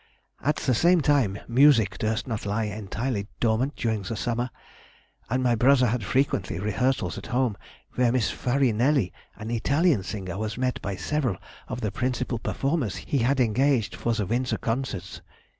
At the same time music durst not lie entirely dormant during the summer, and my brother had frequent rehearsals at home, where Miss Farinelli, an Italian singer, was met by several of the principal performers he had engaged for the winter concerts....